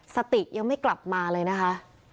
สติยังไม่กลับมาเลยนะคะ